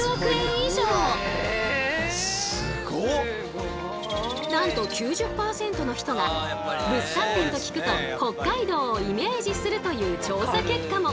すごい！なんと９０％の人が物産展と聞くと北海道をイメージするという調査結果も。